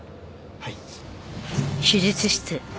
はい。